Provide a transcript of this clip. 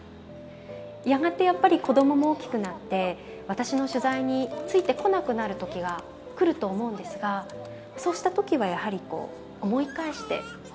やがてやっぱり子供も大きくなって私の取材についてこなくなる時が来ると思うんですがそうした時はやはりこう思い返してほしいなと思いますね。